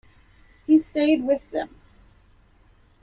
He stayed with them.